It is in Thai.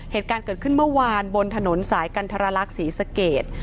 เหตุการณ์เกิดขึ้นเมื่อวานบนถนนสายกันทรลักษณ์ศรีสเกต